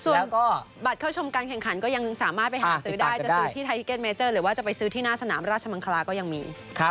ส่วนบัตรเข้าชมการแข่งขันก็ยังสามารถไปหาซื้อได้จะซื้อที่ไทยทิเก็ตเมเจอร์หรือว่าจะไปซื้อที่หน้าสนามราชมังคลาก็ยังมี